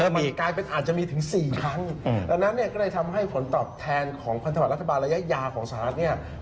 มันกลายเป็นอาจจะมีถึง๔ครั้งและนั้นก็ได้ทำให้ผลตอบแทนของพันธวัตรรัฐบาลระยะยาของสหรัฐ